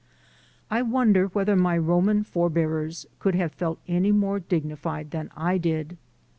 I wonder whether my Roman forbears could have felt any more dignified than I did.